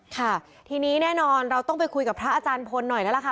ค่ะทีนี้แน่นอนเราต้องไปคุยกับพระอาจารย์พลหน่อยแล้วล่ะค่ะ